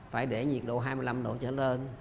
phải để nhiệt độ hai mươi năm độ trở lên